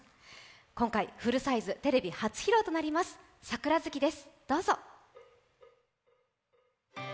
今回フルサイズテレビ初披露「桜月」です。